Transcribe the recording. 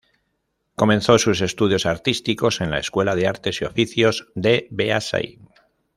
Comenzó sus estudios artísticos en la Escuela de Artes y Oficios de Beasain.